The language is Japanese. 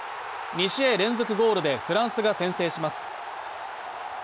２試合連続ゴールでフランスが先制します。